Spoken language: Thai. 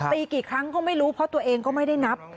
กี่ครั้งก็ไม่รู้เพราะตัวเองก็ไม่ได้นับ